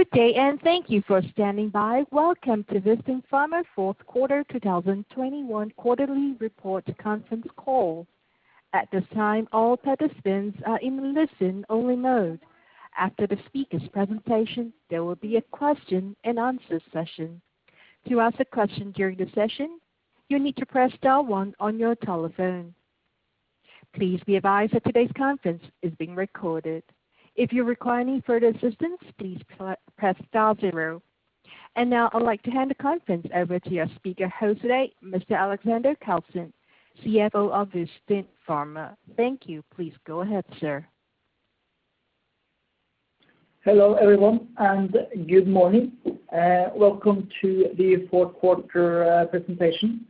Good day, and thank you for standing by. Welcome to Vistin Pharma fourth quarter 2021 quarterly report conference call. At this time, all participants are in listen-only mode. After the speakers' presentation, there will be a question-and-answer session. To ask a question during the session, you need to press star one on your telephone. Please be advised that today's conference is being recorded. If you require any further assistance, please press star zero. Now I'd like to hand the conference over to your speaker host today, Mr. Alexander Karlsen, CFO of Vistin Pharma. Thank you. Please go ahead, sir. Hello, everyone, and good morning. Welcome to the fourth quarter presentation.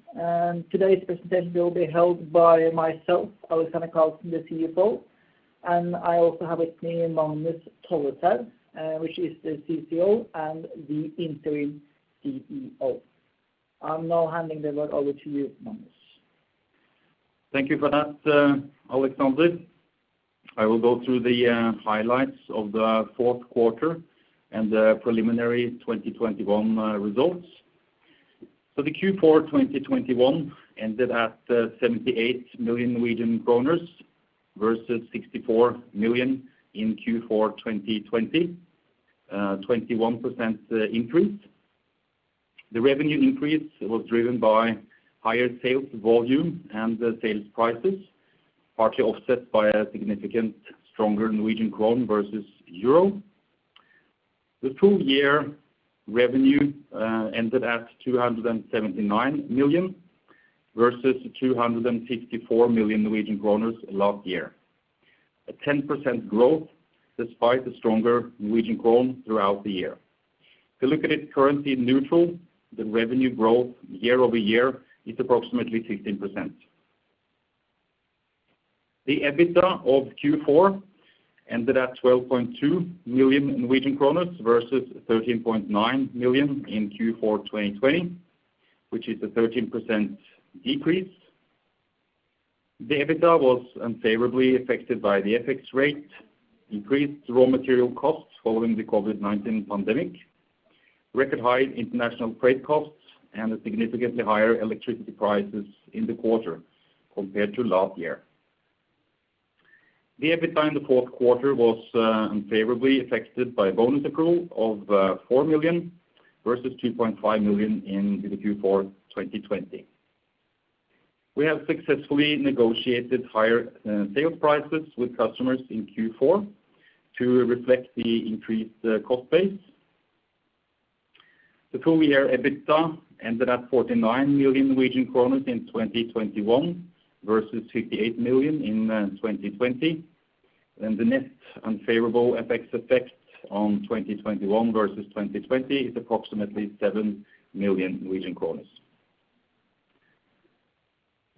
Today's presentation will be held by myself, Alexander Karlsen, CFO. I also have with me Magnus Tolleshaug, the CCO and Interim CEO. I'm now handing the word over to you, Magnus. Thank you for that, Alexander. I will go through the highlights of the fourth quarter and the preliminary 2021 results. The Q4 2021 ended at 78 million Norwegian kroner versus 64 million in Q4 2020, 21% increase. The revenue increase was driven by higher sales volume and the sales prices, partly offset by a significant stronger Norwegian krone versus euro. The full year revenue ended at 279 million versus 254 million Norwegian kroners last year. 10% growth despite the stronger Norwegian krone throughout the year. If you look at it currency neutral, the revenue growth year-over-year is approximately 16%. The EBITDA of Q4 ended at 12.2 million versus 13.9 million in Q4 2020, which is a 13% decrease. The EBITDA was unfavorably affected by the FX rate, increased raw material costs following the COVID-19 pandemic, record high international freight costs, and the significantly higher electricity prices in the quarter compared to last year. The EBITDA in the fourth quarter was unfavorably affected by bonus accrual of 4 million versus 2.5 million in Q4 2020. We have successfully negotiated higher sales prices with customers in Q4 to reflect the increased cost base. The full year EBITDA ended at 49 million Norwegian kroner in 2021 versus 58 million in 2020. The net unfavorable FX effect on 2021 versus 2020 is approximately 7 million Norwegian kroner.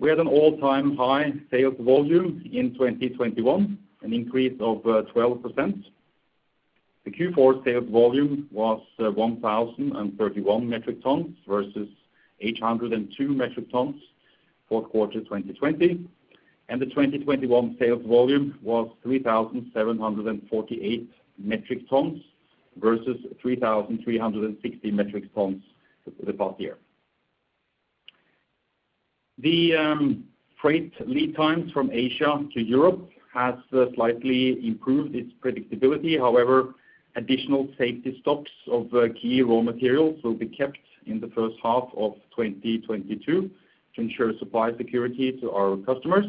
We had an all-time high sales volume in 2021, an increase of 12%. The Q4 sales volume was 1,031 metric tons versus 802 metric tons, fourth quarter 2020. The 2021 sales volume was 3,748 metric tons versus 3,360 metric tons the past year. The freight lead times from Asia to Europe has slightly improved its predictability. However, additional safety stocks of key raw materials will be kept in the first half of 2022 to ensure supply security to our customers.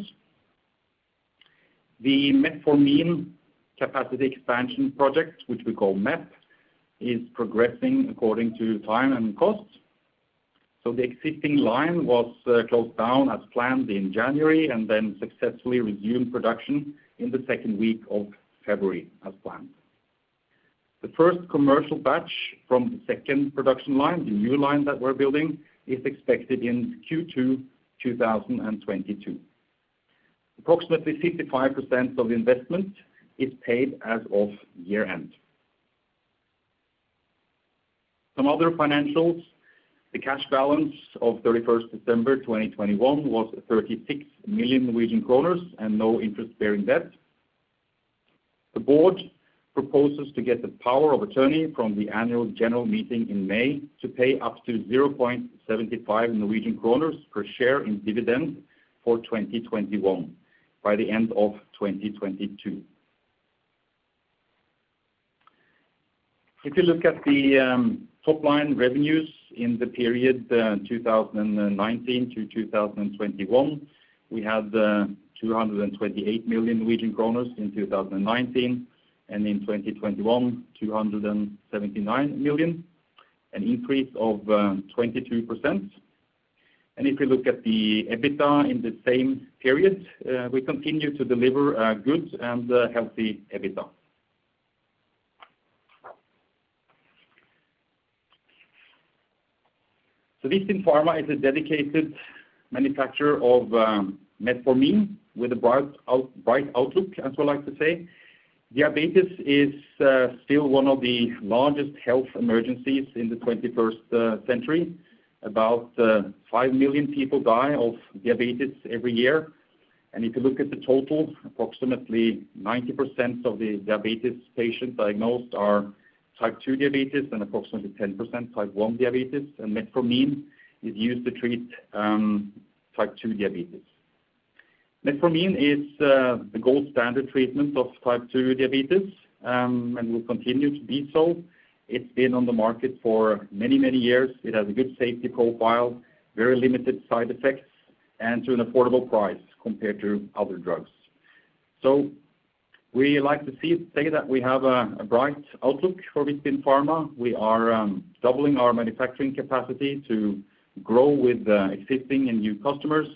The metformin capacity expansion project, which we call MEP, is progressing according to time and cost. The existing line was closed down as planned in January and then successfully resumed production in the second week of February as planned. The first commercial batch from the second production line, the new line that we're building, is expected in Q2 2022. Approximately 55% of investment is paid as of year-end. Some other financials, the cash balance of December 31, 2021 was 36 million Norwegian kroner and no interest-bearing debt. The board proposes to get the power of attorney from the annual general meeting in May to pay up to 0.75 Norwegian kroner per share in dividend for 2021, by the end of 2022. If you look at the top-line revenues in the period, 2019 to 2021, we had 228 million Norwegian kroner in 2019, and in 2021, 279 million, an increase of 22%. If you look at the EBITDA in the same period, we continue to deliver a good and a healthy EBITDA. Vistin Pharma is a dedicated manufacturer of metformin with a bright outlook, as I like to say. Diabetes is still one of the largest health emergencies in the 21st century. About 5 million people die of diabetes every year. If you look at the total, approximately 90% of the diabetes patients diagnosed are type 2 diabetes and approximately 10% type 1 diabetes, and metformin is used to treat type 2 diabetes. Metformin is the gold standard treatment of type 2 diabetes, and will continue to be so. It's been on the market for many, many years. It has a good safety profile, very limited side effects, and at an affordable price compared to other drugs. We like to say that we have a bright outlook for Vistin Pharma. We are doubling our manufacturing capacity to grow with existing and new customers.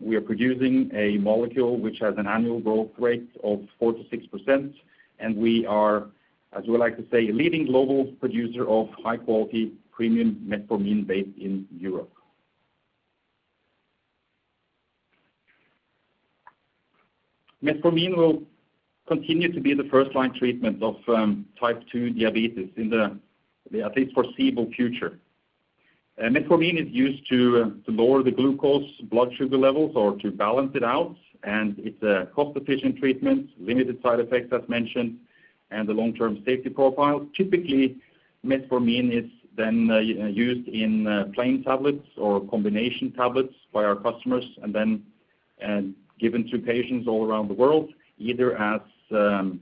We are producing a molecule which has an annual growth rate of 4%-6%, and we are, as we like to say, a leading global producer of high-quality premium metformin based in Europe. Metformin will continue to be the first-line treatment of type 2 diabetes in the at least foreseeable future. Metformin is used to lower the blood glucose levels or to balance it out, and it's a cost-efficient treatment, limited side effects, as mentioned, and the long-term safety profile. Typically, metformin is then used in plain tablets or combination tablets by our customers and then given to patients all around the world, either as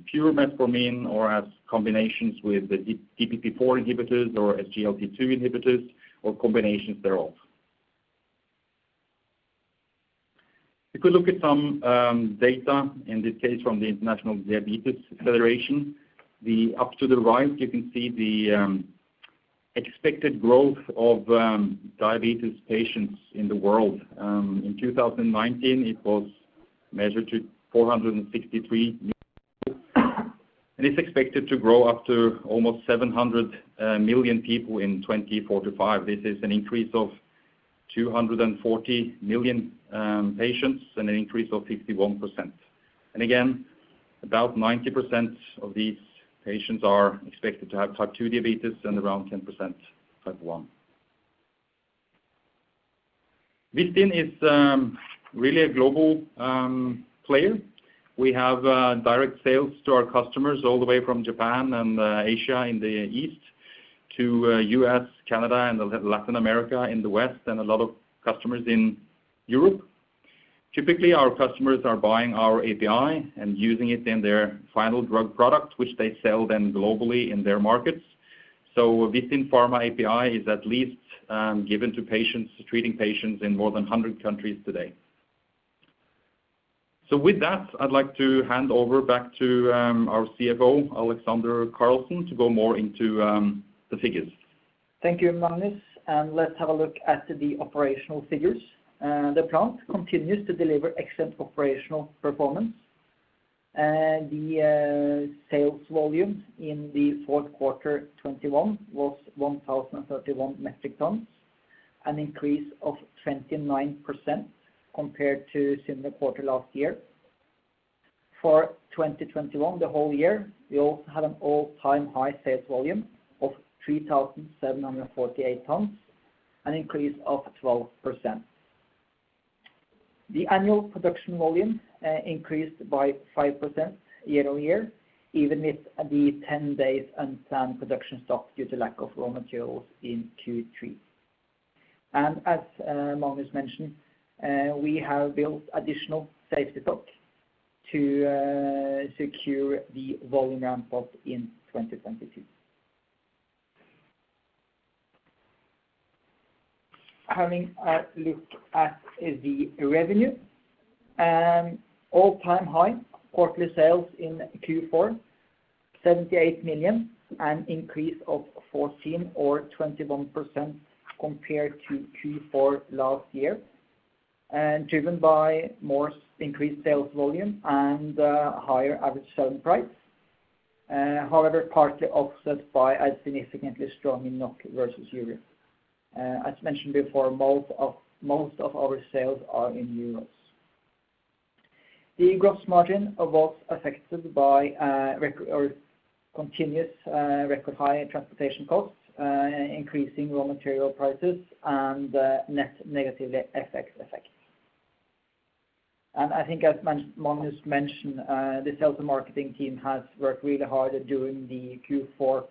pure metformin or as combinations with the DPP-4 inhibitors or SGLT-2 inhibitors or combinations thereof. If we look at some data, in this case from the International Diabetes Federation, up to the right, you can see the expected growth of diabetes patients in the world. In 2019, it was measured to 463 million. It's expected to grow up to almost 700 million people in 2045. This is an increase of 240 million patients and an increase of 51%. Again, about 90% of these patients are expected to have type 2 diabetes and around 10% type 1. Vistin is really a global player. We have direct sales to our customers all the way from Japan and Asia in the East to U.S., Canada, and Latin America in the West, and a lot of customers in Europe. Typically, our customers are buying our API and using it in their final drug product, which they sell then globally in their markets. Vistin Pharma API is at least given to patients, treating patients in more than 100 countries today. With that, I'd like to hand over back to our CFO, Alexander Karlsen, to go more into the figures. Thank you, Magnus. Let's have a look at the operational figures. The plant continues to deliver excellent operational performance. The sales volume in the fourth quarter 2021 was 1,031 metric tons, an increase of 29% compared to similar quarter last year. For 2021, the whole year, we also had an all-time high sales volume of 3,748 tons, an increase of 12%. The annual production volume increased by 5% year-over-year, even with the 10 days unplanned production stopped due to lack of raw materials in Q3. As Magnus mentioned, we have built additional safety stock to secure the volume ramp-up in 2022. Having a look at the revenue, all-time high quarterly sales in Q4, 78 million, an increase of 14% or 21% compared to Q4 last year, driven by more increased sales volume and higher average selling price. However, partly offset by a significantly stronger NOK versus euro. As mentioned before, most of our sales are in euros. The gross margin was affected by record high transportation costs, increasing raw material prices and net negative FX effects. I think as Magnus mentioned, the sales and marketing team has worked really hard during the Q4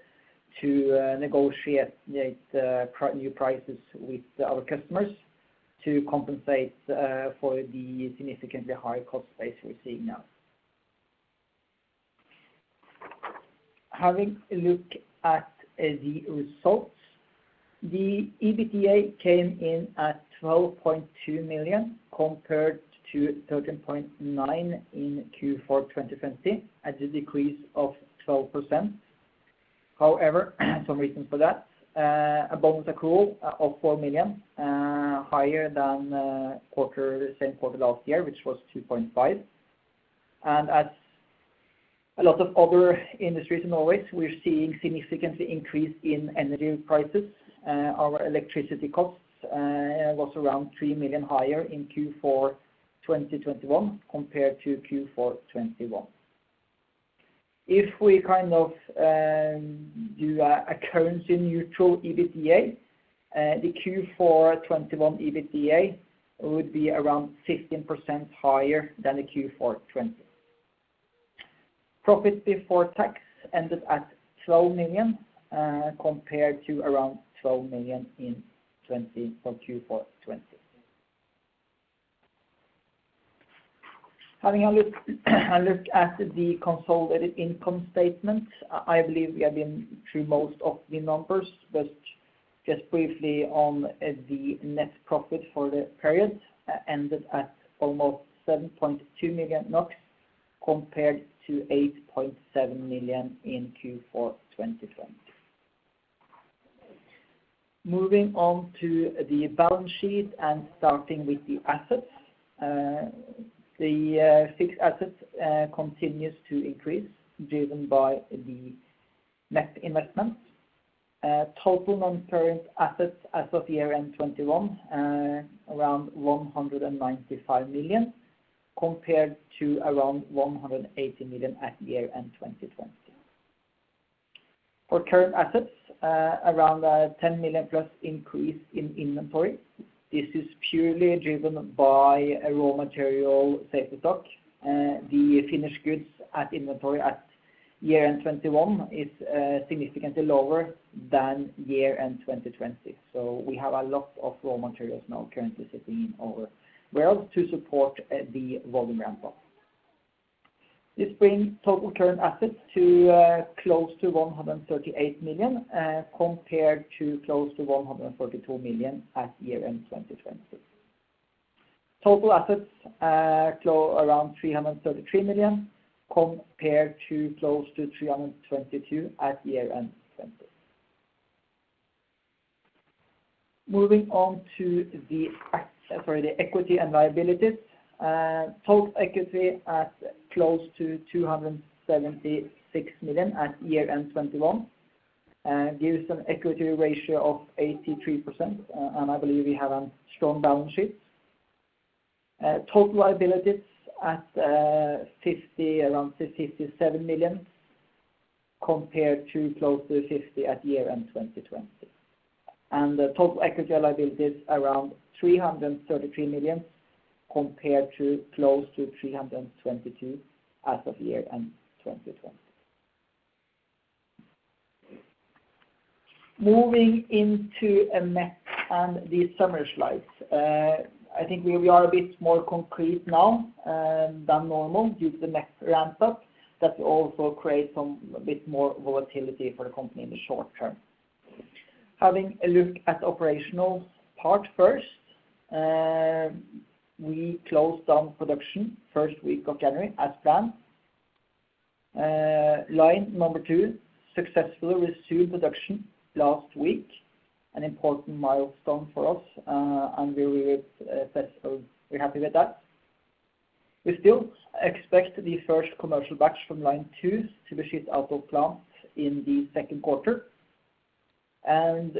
to negotiate new prices with our customers to compensate for the significantly higher cost base we're seeing now. Having a look at the results, the EBITDA came in at 12.2 million compared to 13.9 million in Q4 2020, at a decrease of 12%. However, some reasons for that, a bonus accrual of 4 million higher than the same quarter last year, which was 2.5 million. As a lot of other industries in Norway, we're seeing a significant increase in energy prices. Our electricity costs were around 3 million higher in Q4 2021 compared to Q4 2020. If we kind of do a currency-neutral EBITDA, the Q4 2021 EBITDA would be around 15% higher than the Q4 2020. Profit before tax ended at 12 million compared to around 12 million in 2020 for Q4 2020. Having a look at the consolidated income statement, I believe we have been through most of the numbers. Just briefly on the net profit for the period ended at almost 7.2 million NOK compared to 8.7 million in Q4 2020. Moving on to the balance sheet and starting with the assets. The fixed assets continues to increase driven by the net investment. Total non-current assets as of year end 2021, around 195 million, compared to around 180 million at year end 2020. For current assets, around 10 million plus increase in inventory. This is purely driven by a raw material safety stock. The finished goods at inventory at year end 2021 is significantly lower than year end 2020. We have a lot of raw materials now currently sitting in our warehouse to support the volume ramp-up. This brings total current assets to close to 138 million compared to close to 142 million at year-end 2020. Total assets around 333 million, compared to close to 322 million at year-end 2020. Moving on to the equity and liabilities. Total equity at close to 276 million at year-end 2021 gives an equity ratio of 83%. I believe we have a strong balance sheet. Total liabilities at around 57 million compared to close to 50 million at year-end 2020. The total equity and liabilities around 333 million compared to close to 322 million as of year-end 2020. Moving into the summary slides. I think we are a bit more concrete now than normal due to the MEP ramp-up. That will also create some, a bit more volatility for the company in the short term. Having a look at operational part first. We closed down production first week of January as planned. Line number two successfully resumed production last week, an important milestone for us, and we're happy with that. We still expect the first commercial batch from line two to be shipped out of plant in the second quarter.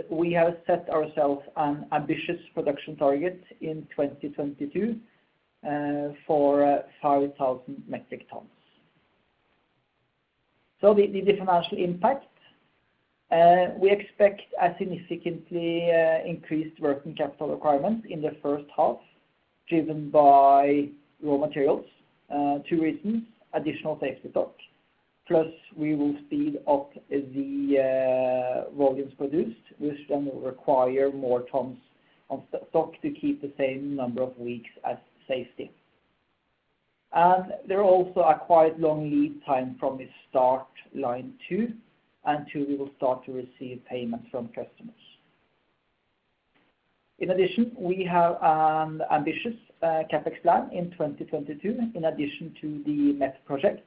We have set ourselves an ambitious production target in 2022 for 5,000 metric tons. The financial impact we expect a significantly increased working capital requirement in the first half, driven by raw materials. Two reasons, additional safety stock, plus we will speed up the volumes produced, which then will require more tons of stock to keep the same number of weeks as safety. There are also quite a long lead time from the start of line two until we will start to receive payments from customers. In addition, we have an ambitious CapEx plan in 2022, in addition to the MEP project.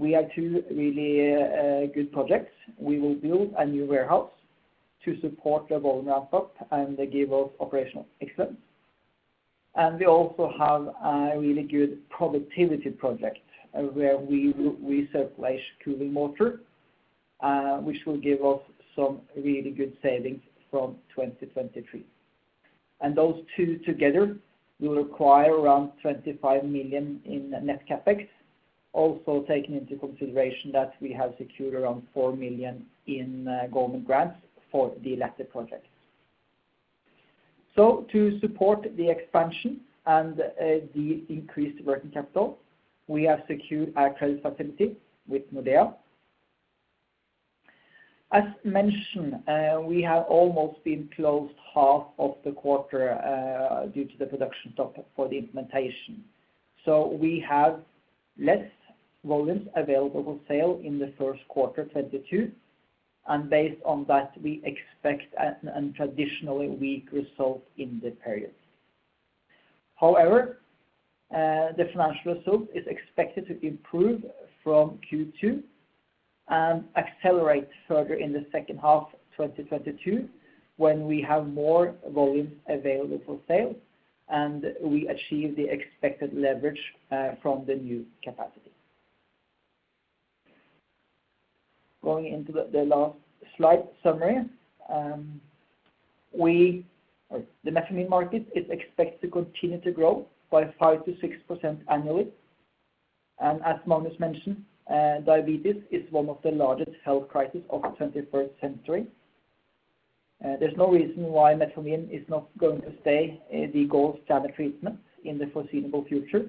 We have two really good projects. We will build a new warehouse to support the volume ramp-up and give us operational excellence. We also have a really good productivity project where we will recirculate cooling water, which will give us some really good savings from 2023. Those two together will require around 25 million in net CapEx, also taking into consideration that we have secured around 4 million in government grants for the electric project. To support the expansion and the increased working capital, we have secured a credit facility with Nordea. As mentioned, we have almost been closed half of the quarter due to the production stop for the implementation. We have less volumes available for sale in the first quarter 2022, and based on that, we expect a traditionally weak result in the period. However, the financial result is expected to improve from Q2 and accelerate further in the second half 2022, when we have more volumes available for sale and we achieve the expected leverage from the new capacity. Going into the last slide summary. The metformin market is expected to continue to grow by 5%-6% annually. As Magnus mentioned, diabetes is one of the largest health crisis of the 21st century. There's no reason why metformin is not going to stay the gold standard treatment in the foreseeable future.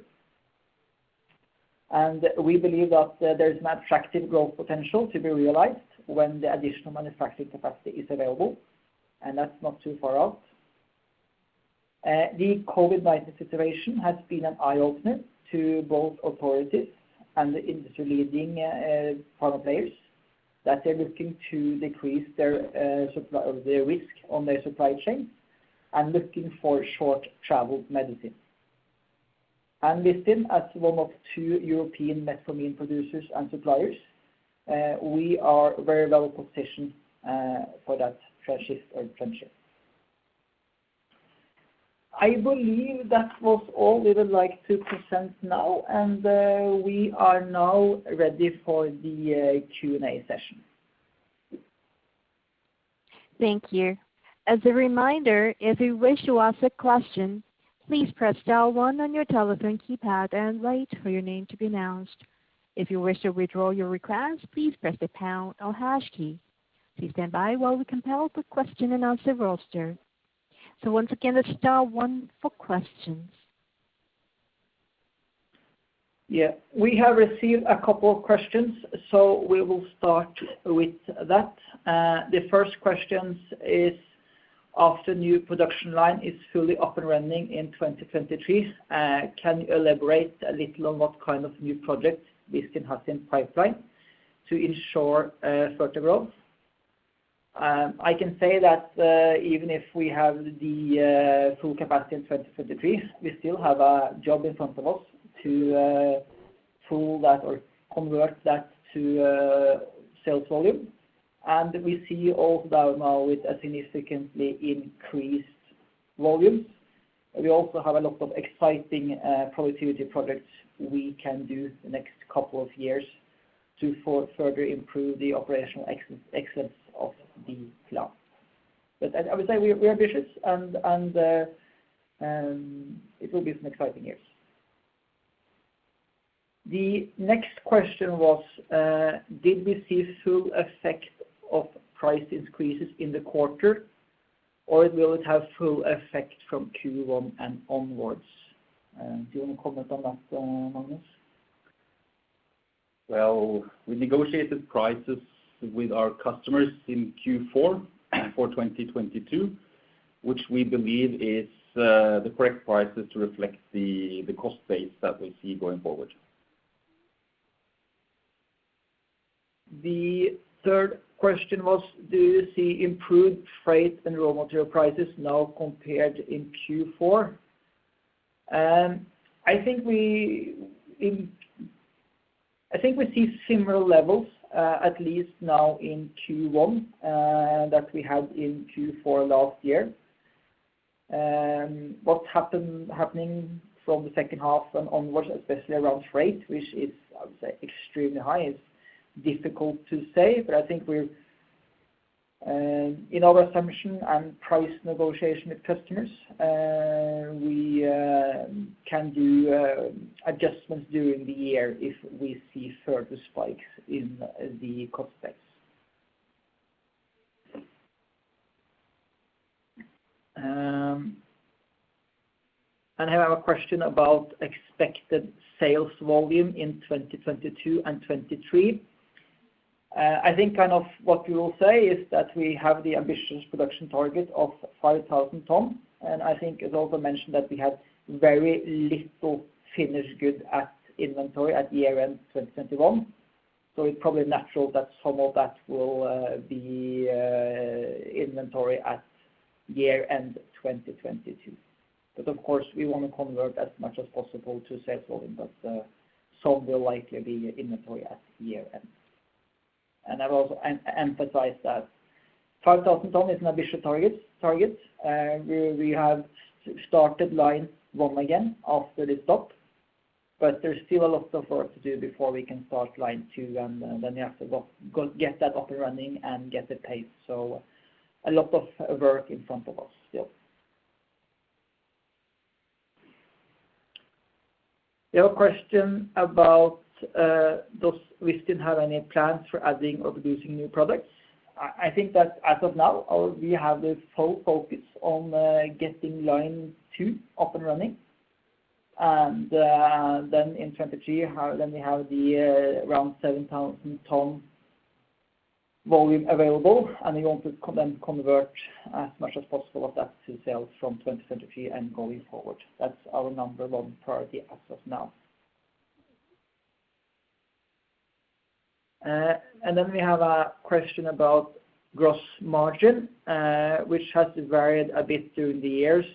We believe that there is an attractive growth potential to be realized when the additional manufacturing capacity is available, and that's not too far out. The COVID-19 situation has been an eye-opener to both authorities and the industry-leading pharma players that they're looking to decrease their risk on their supply chain and looking for short travel medicine. Vistin, as one of two European metformin producers and suppliers, we are very well positioned for that transition or trend shift. I believe that was all we would like to present now, and we are now ready for the Q&A session. Thank you. As a reminder, if you wish to ask a question, please press star one on your telephone keypad and wait for your name to be announced. If you wish to withdraw your request, please press the pound or hash key. Please stand by while we compile the question and answer roster. So once again, that's star one for questions. Yeah, we have received a couple of questions, so we will start with that. The first question is, after the new production line is fully up and running in 2023, can you elaborate a little on what kind of new projects Vistin has in pipeline to ensure further growth? I can say that even if we have the full capacity in 2023, we still have a job in front of us to fill that or convert that to sales volume. We sell out now with a significantly increased volume. We also have a lot of exciting productivity projects we can do the next couple of years to further improve the operational excellence of the plant. I would say we are ambitious and it will be some exciting years. The next question was, did we see full effect of price increases in the quarter, or will it have full effect from Q1 and onwards? Do you want to comment on that, Magnus? Well, we negotiated prices with our customers in Q4 for 2022, which we believe is the correct prices to reflect the cost base that we see going forward. The third question was, do you see improved freight and raw material prices now compared to Q4? I think we see similar levels, at least now in Q1, that we had in Q4 last year. What is happening from the second half and onwards, especially around freight, which is, I would say, extremely high, it's difficult to say. I think we're in our assumption and price negotiation with customers, we can do adjustments during the year if we see further spikes in the cost base. I have a question about expected sales volume in 2022 and 2023. I think kind of what we will say is that we have the ambitious production target of 5,000 tons. I think it's also mentioned that we had very little finished goods inventory at year-end 2021. It's probably natural that some of that will be inventory at year-end 2022. Of course, we want to convert as much as possible to sales volume, but some will likely be inventory at year-end. I will emphasize that 5,000 tons is an ambitious target. We have started line one again after the stop, but there's still a lot of work to do before we can start line two, and then we have to go get that up and running and get the pace. A lot of work in front of us still. We have a question about, does Vistin have any plans for adding or producing new products? I think that as of now, we have the full focus on getting line two up and running. Then in 2023, we have around 7,000 tons volume available, and we want to convert as much as possible of that to sales from 2023 and going forward. That's our number one priority as of now. Then we have a question about gross margin, which has varied a bit through the years.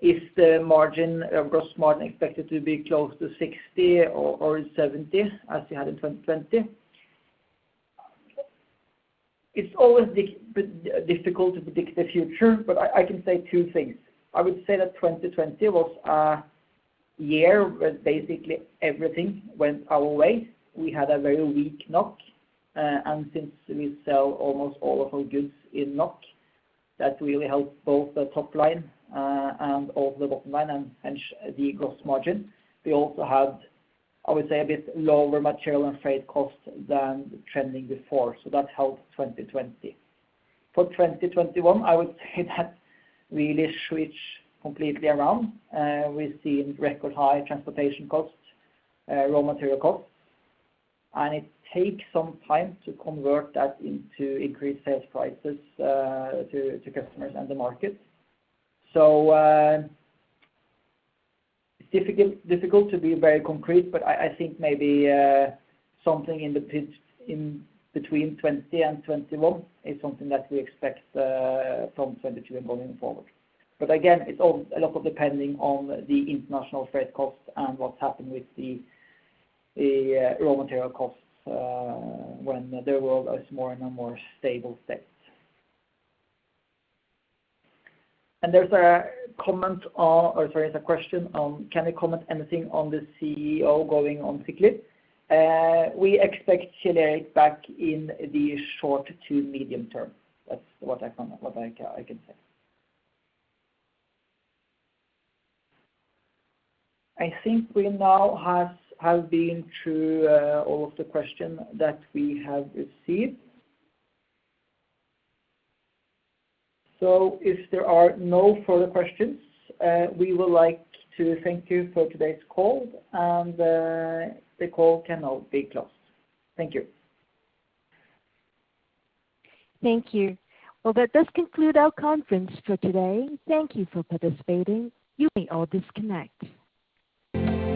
Is the margin, gross margin expected to be close to 60% or 70% as we had in 2020? It's always difficult to predict the future, but I can say two things. I would say that 2020 was a year where basically everything went our way. We had a very weak NOK. Since we sell almost all of our goods in NOK, that really helped both the top line and the bottom line and the gross margin. We also had, I would say, a bit lower material and freight costs than trending before, so that helped 2020. For 2021, I would say that really switched completely around. We've seen record high transportation costs, raw material costs, and it takes some time to convert that into increased sales prices to customers and the market. It's difficult to be very concrete, but I think maybe something in between 2020 and 2021 is something that we expect from 2022 and moving forward. Again, it's all a lot depending on the international freight costs and what's happened with the raw material costs, when there will be a more stable set. There's a question on, can you comment anything on the CEO going on sick leave? We expect Kjell back in the short to medium term. That's what I can say. I think we now have been through all of the questions that we have received. If there are no further questions, we would like to thank you for today's call, and the call can now be closed. Thank you. Thank you. Well, that does conclude our conference for today. Thank you for participating. You may all disconnect.